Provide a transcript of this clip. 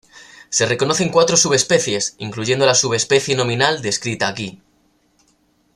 Se reconocen cuatro subespecies, incluyendo la subespecie nominal descrita aquí.